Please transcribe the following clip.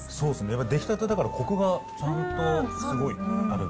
やっぱ出来たてだから、こくがちゃんとすごいある。